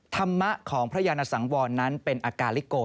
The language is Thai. ธรรมะของพระยานสังวรนั้นเป็นอากาลิโก